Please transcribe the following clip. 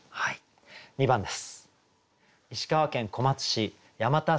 ２番です。